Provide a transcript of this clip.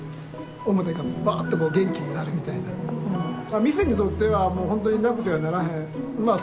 急に店にとってはもうほんとになくてはならへんまあ